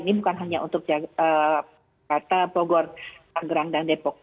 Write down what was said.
ini bukan hanya untuk kata bogor panggrang dan demikian